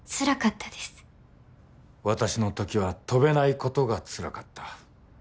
私の時は飛べないことがつらかった。